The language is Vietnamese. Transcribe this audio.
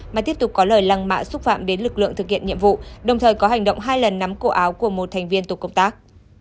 mà tiếp tục có lời lăng mạ xúc phạm đến lực lượng thực hiện nhiệm vụ đồng thời có hành động hai lần nắm cổ áo của một thành viên tổ công tác